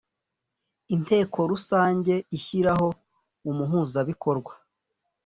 inteko rusange ishyiraho umuhuzabikorwa